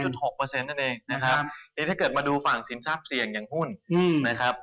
นั่นเองนะครับนี่ถ้าเกิดมาดูฝั่งสินทรัพย์เสี่ยงอย่างหุ้นนะครับ